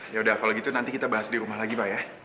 ya udah kalau gitu nanti kita bahas di rumah lagi pak ya